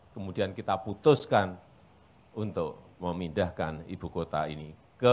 kemudian kita putuskan untuk memindahkan ibu kota ini